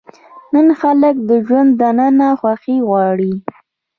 نن خلک د ژوند دننه خوښي غواړي.